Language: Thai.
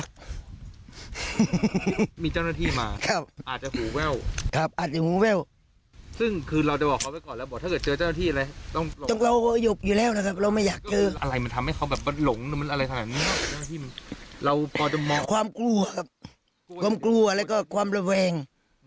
ความกลัวค่ะความกลัวและความระวแรง